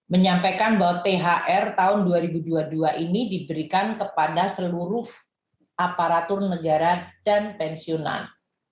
menyampaikan bahwa thr tahun dua ribu dua puluh dua ini diberikan kepada seluruh aparatur negara dan pensiunan